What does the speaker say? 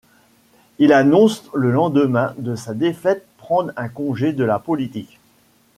Il annonce le lendemain de sa défaite prendre un congé de la politique.